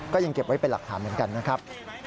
ยังเก็บไว้เป็นหลักฐานเหมือนกันนะครับ